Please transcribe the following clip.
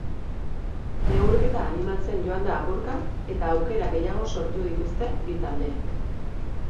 Neurketa animatzen joan da apurka eta aukera gehiago sortu dituzte bi taldeek.